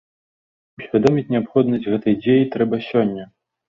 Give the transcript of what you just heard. Усвядоміць неабходнасць гэтай дзеі трэба сёння.